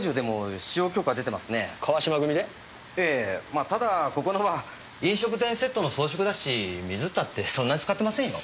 まあただここのは飲食店セットの装飾だし水ったってそんなに使ってませんよ。